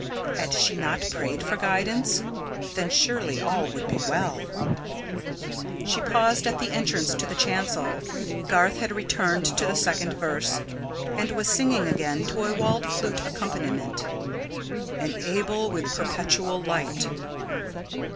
Had she not prayed for guidance? Then surely all would be well. She paused at the entrance to the chancel. Garth had returned to the second verse, and was singing again, to a waldflute accompaniment, "Enable with perpetual light